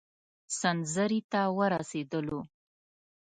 سنځري ته ورسېدلو.